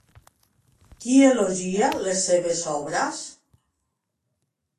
Qui elogia les seves obres?